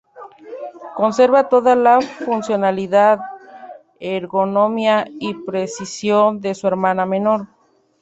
Conserva toda la funcionalidad, ergonomía y precisión de su hermana menor.